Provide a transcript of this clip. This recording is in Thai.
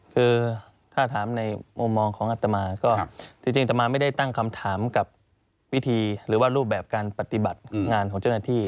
คือถ้าถามในมุมมองของอัตมาก็จริงอัตมาไม่ได้ตั้งคำถามกับวิธีหรือว่ารูปแบบการปฏิบัติงานของเจ้าหน้าที่